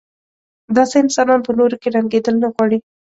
داسې انسانان په نورو کې رنګېدل نه غواړي.